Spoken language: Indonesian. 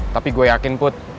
tapi gua yakin put